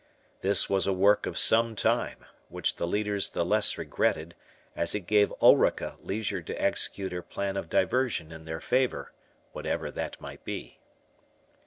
This was a work of some time, which the leaders the less regretted, as it gave Ulrica leisure to execute her plan of diversion in their favour, whatever that might be.